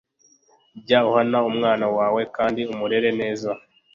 jya uhana umwana wawe kandi umurere neza